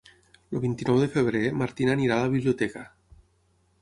El vint-i-nou de febrer na Martina irà a la biblioteca.